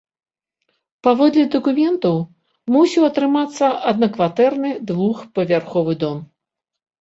Паводле дакументаў, мусіў атрымацца аднакватэрны двухпавярховы дом.